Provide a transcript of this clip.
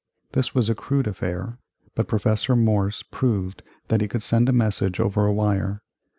This was a crude affair, but Professor Morse proved that he could send a message over a wire.